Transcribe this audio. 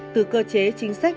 từ cơ chế chính sách